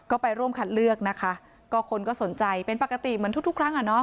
ก็ไปร่วมคัดเลือกนะคะก็คนก็สนใจเป็นปกติเหมือนทุกทุกครั้งอ่ะเนาะ